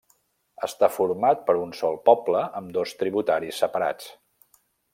Està format per un sol poble amb dos tributaris separats.